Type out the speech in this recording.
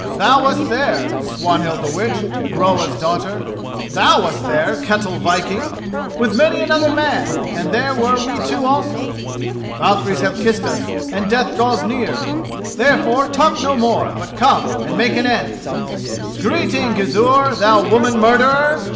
thou wast there, Swanhild the witch, Groa's daughter! thou wast there, Ketel Viking! with many another man; and there were we two also. Valkyries have kissed us and death draws near. Therefore, talk no more, but come and make an end. Greeting, Gizur, thou woman murderer!